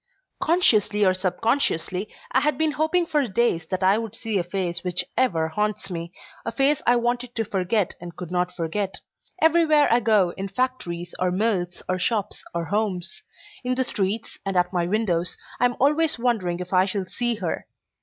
Consciously or subconsciously I had been hoping for days that I would see a face which ever haunts me, a face I wanted to forget and could not forget. Everywhere I go, in factories or mills or shops or homes; in the streets, and at my windows, I am always wondering if I shall see her.